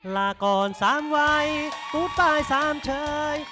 ลาก่อนสามวัยตรูตายซ้ำเฉย